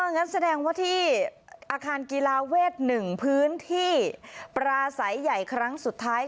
งั้นแสดงว่าที่อาคารกีฬาเวท๑พื้นที่ปราศัยใหญ่ครั้งสุดท้าย